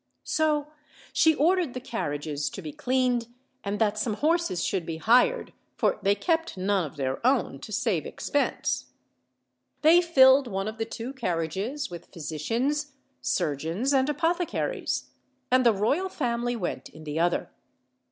So she ordered the carriages to be cleaned, and that some horses should be hired for they kept none of their own, to save expense. They filled one of the two carriages with physicians, surgeons, and apothecaries; and the royal family went in the other.